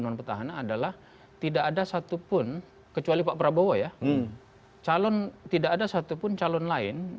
non petahana adalah tidak ada satupun kecuali pak prabowo ya calon tidak ada satupun calon lain